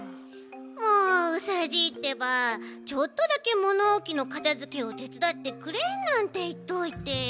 もううさじいってばちょっとだけものおきのかたづけをてつだってくれなんていっといて。